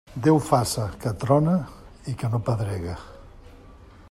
Déu faça que trone i no pedregue.